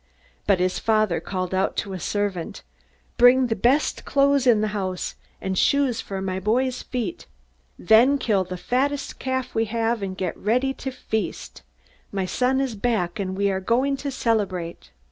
But his father called out to a servant: 'Bring the best clothes in the house, and shoes for my boy's feet. Then kill the fattest calf we have, and get a feast ready. My son is back, and we are going to celebrate!'